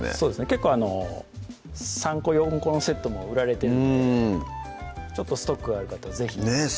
結構３個４個のセットも売られてるのでちょっとストックがある方是非ねぇ